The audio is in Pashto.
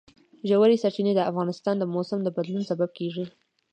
ژورې سرچینې د افغانستان د موسم د بدلون سبب کېږي.